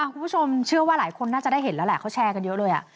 คุณผู้ชมเชื่อว่าหลายคนน่าจะได้เห็นแล้วแหละเขาแชร์กันเยอะเลย